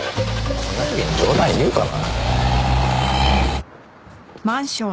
こんな時に冗談言うかな。